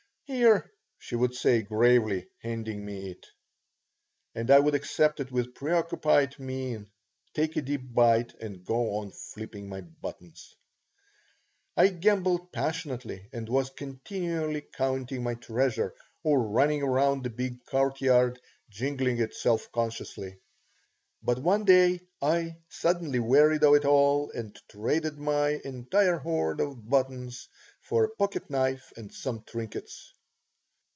"Here," she would say, gravely, handing me it. And I would accept it with preoccupied mien, take a deep bite, and go on filliping my buttons. I gambled passionately and was continually counting my treasure, or running around the big courtyard, jingling it self consciously. But one day I suddenly wearied of it all and traded my entire hoard of buttons for a pocket knife and some trinkets.